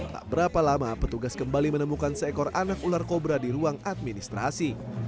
tak berapa lama petugas kembali menemukan seekor anak ular kobra di ruang administrasi